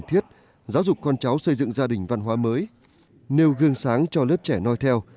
thiết giáo dục con cháu xây dựng gia đình văn hóa mới nêu gương sáng cho lớp trẻ nói theo